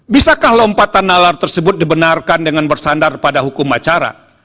bisakah lompatan nalar tersebut dibenarkan dengan bersandar pada hukum acara